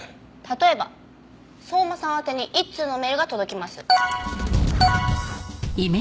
例えば相馬さん宛てに１通のメールが届きます。